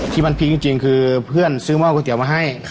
ที่มันพิ้งจริงคือเพื่อนซื้อหม้อก๋วเตี๋มาให้